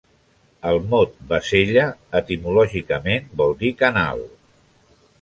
El mot Bassella etimològicament vol dir canal.